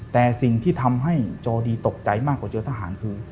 แต่สิ่งที่ทำให้จอดีตกใจมากกว่าเจอทหารคือ